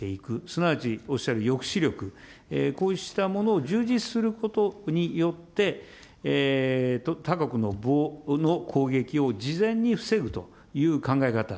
すなわちおっしゃる抑止力、こうしたものを充実することによって、他国の攻撃を事前に防ぐというかんがえかた